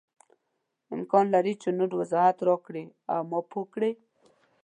امکان لري چې نور وضاحت راکړې او ما پوه کړې.